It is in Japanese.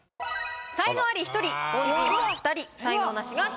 才能アリ１人凡人２人才能ナシが１人です。